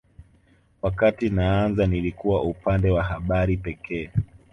Wakati naanza nilikuwa upande wa habari pekee